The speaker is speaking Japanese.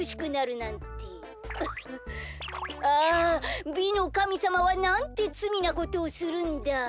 フッあ美のかみさまはなんてつみなことをするんだ。